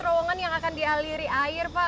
terowongan yang akan dialiri air pak